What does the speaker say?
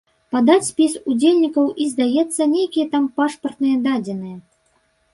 Падаць спіс удзельнікаў і, здаецца, нейкія там пашпартныя дадзеныя.